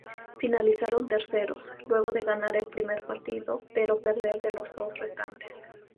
Finalizaron terceros, luego de ganar el primer partido pero perder los dos restantes.